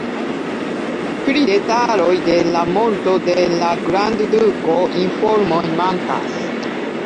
Pri detaloj de la morto de la grandduko informoj mankas.